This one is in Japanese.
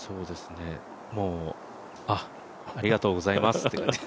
もう、あっ、ありがとうございますって感じ。